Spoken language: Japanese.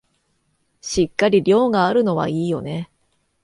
しっかり量があるのはいいよね